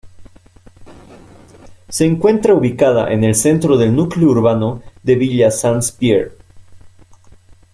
Se encuentra ubicada en el centro del núcleo urbano de Villaz-Saint-Pierre.